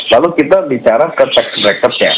lalu kita bicara ke tax bracket nya